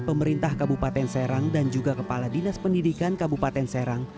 pemerintah kabupaten serang dan juga kepala dinas pendidikan kabupaten serang